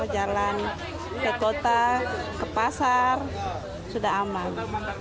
jalan ke kota ke pasar sudah aman